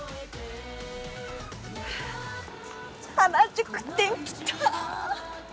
原宿店きた！